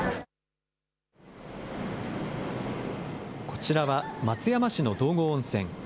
こちらは松山市の道後温泉。